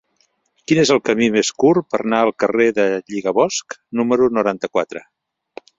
Quin és el camí més curt per anar al carrer del Lligabosc número noranta-quatre?